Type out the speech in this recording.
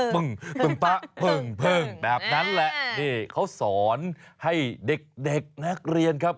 ปึ่งปะพึ่งพึ่งแบบนั้นแหละนี่เขาสอนให้เด็กนักเรียนครับ